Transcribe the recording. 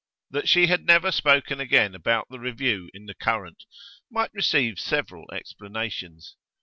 That she had never spoken again about the review in The Current might receive several explanations.